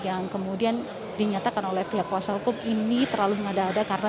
yang kemudian dinyatakan oleh pihak kuasa hukum ini terlalu mengada ada karena